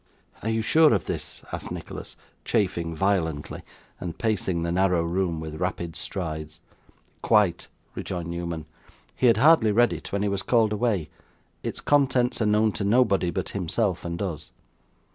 'Are you sure of this?' asked Nicholas, chafing violently, and pacing the narrow room with rapid strides. 'Quite,' rejoined Newman. 'He had hardly read it when he was called away. Its contents are known to nobody but himself and us.